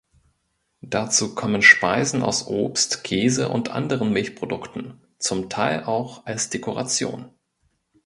Dazu kommen Speisen aus Obst, Käse und anderen Milchprodukten, zum Teil auch als Dekoration.